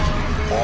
あ！